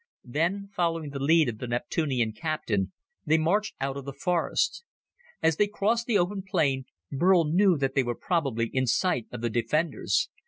Then, following the lead of the Neptunian captain, they marched out of the forest. As they crossed the open plain, Burl knew that they were probably in sight of the defenders.